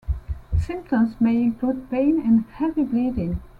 Symptoms may include pain and heavy bleeding.